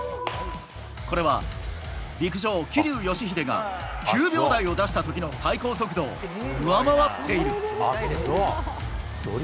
これは陸上、桐生祥秀が９秒台を出したときの最高速度を上回っている。